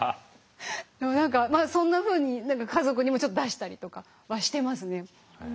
まあそんなふうに何か家族にもちょっと出したりとかはしてますねはい。